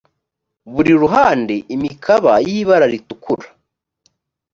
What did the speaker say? buri ruhande imikaba y ibara ritukura